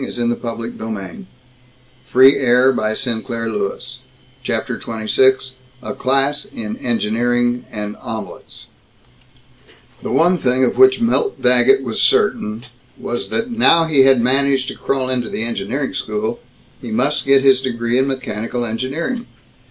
If I were to drive back next spring, I could find her " CHAPTER XXVI A CLASS IN ENGINEERING AND OMELETS The one thing of which Milt Daggett was certain was that now he had managed to crawl into the engineering school, he must get his degree in mechanical engineering.